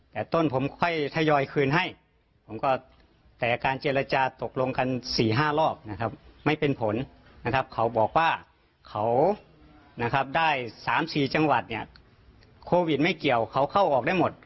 แต่ต้นผมค่อยทยอยคืนให้ผมก็แต่การเจรจาตกลงกัน๔๕รอบนะครับไม่เป็นผลนะครับเขาบอกว่าเขานะครับได้๓๔จังหวัดเนี่ยโควิดไม่เกี่ยวเขาเข้าออกได้หมด